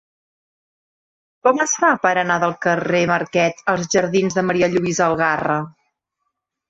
Com es fa per anar del carrer de Marquet als jardins de Ma. Lluïsa Algarra?